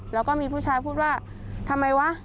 แล้วก็มีผู้ชายพูดว่าทำไมวะ